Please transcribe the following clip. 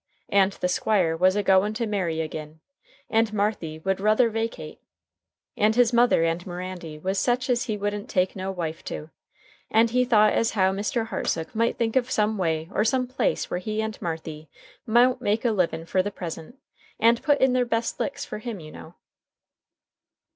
And the Squire was a goin' to marry agin', and Marthy would ruther vacate. And his mother and Mirandy was sech as he wouldn't take no wife to. And he thought as how Mr. Hartsook might think of some way or some place where he and Marthy mout make a livin' fer the present, and put in their best licks fer Him, you know.